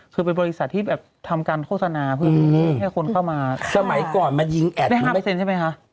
คือเป็นบริษัทที่แบบทำการโฆษณาเพื่อให้คนเข้ามาสมัยก่อนมันยิงแอดได้ห้าเปอร์เซ็นต์ใช่ไหมคะ